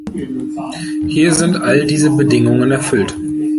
Hier sind all diese Bedingungen erfüllt.